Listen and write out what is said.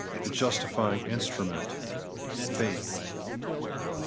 The justifying instrument; — Faith.